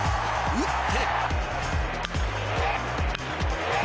打って。